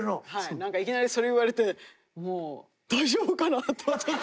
何かいきなりそれ言われてもう大丈夫かなって。